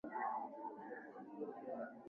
hivyo kukubali kwenda hatimae mwishowe sasa